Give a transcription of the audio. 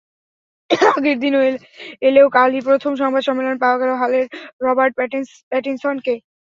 আগের দিন এলেও কালই প্রথম সংবাদ সম্মেলনে পাওয়া গেল হালের রবার্ট প্যাটিনসনকে।